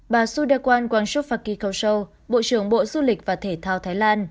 bà sudakwan gwangso fakikosho bộ trưởng bộ du lịch và thể thao thái lan